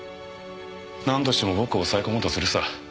なんとしても僕を押さえ込もうとするさ。